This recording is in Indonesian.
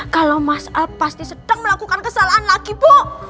kalau mas al pasti sedang melakukan kesalahan lagi bu